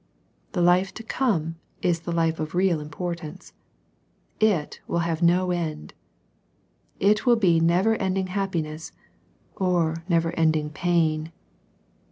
The life to come is the life of real importances ;— it will have no end : it will be never ending happiness, or never ending pain.